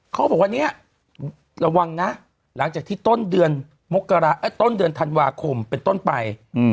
เขาบอกว่าเนี่ยระวังนะหลังจากที่ต้นเดือนต้นเดือนธันวาคมเป็นต้นไป